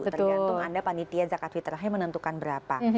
tergantung anda panitia zakat fitrahnya menentukan berapa